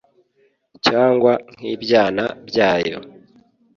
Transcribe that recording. cyangwa nk’ibyana byayo,